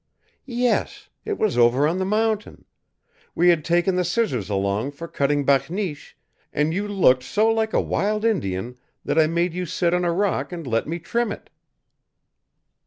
"Yes it was over on the mountain. We had taken the scissors along for cutting bakneesh, and you looked so like a wild Indian that I made you sit on a rock and let me trim it."